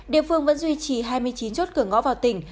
địa phương vẫn duy trì hai mươi chín chốt cửa ngõ vào tỉnh